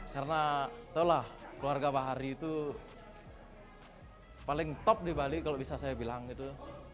karena tahulah keluarga bahari itu paling top di bali kalau bisa saya bilang gitu